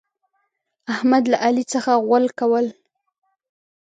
احمد له علي څخه غول کول.